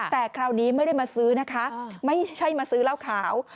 แต่คราวนี้ไม่ได้มาซื้อนะคะไม่ใช่มาซื้อเหล้าขาว